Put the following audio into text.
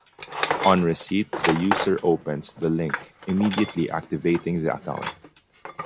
On receipt, the user opens the link, immediately activating the account.